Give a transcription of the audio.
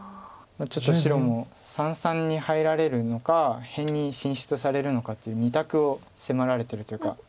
ちょっと白も三々に入られるのか辺に進出されるのかという２択を迫られてるというか。